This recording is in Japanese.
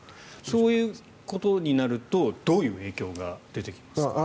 そういうことになるとどういう影響が出てきますか？